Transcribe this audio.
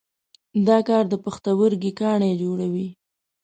دا کار د پښتورګي کاڼي جوړوي.